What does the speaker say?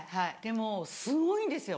もうすごいんですよ